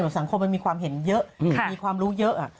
สังคมมันมีความเห็นเยอะมีความรู้เยอะ